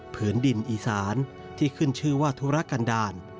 ผืนดินอีสานที่ขึ้นชื่อว่าธุรกันดาล